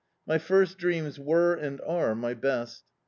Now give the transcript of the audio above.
My first dreams were, and are, my best.